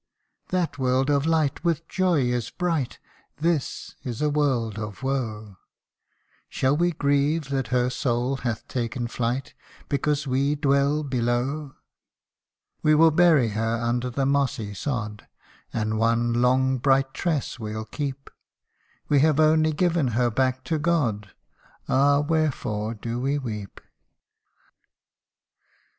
That world of light with joy is bright, This is a world of woe : Shall we grieve that her soul hath taken flight, Because we dwell below ? We will bury her under the mossy sod, And one long bright tress we '11 keep ; We have only given her back to God Ah ! wherefore do we weep